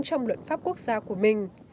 trong luận pháp quốc gia của mình